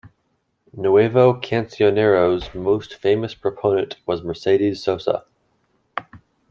Nuevo Cancionero's most famous proponent was Mercedes Sosa.